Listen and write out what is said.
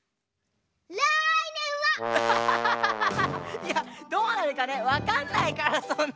いやどうなるかねわかんないからそんな。